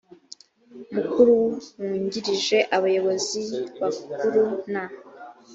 mukuru wungirije abayobozi bakuru na